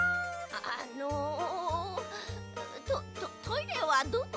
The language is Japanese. あのトトトイレはどこなのだ？